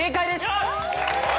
よし！